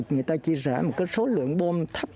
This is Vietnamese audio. người ta chia sẻ một số lượng bom thấp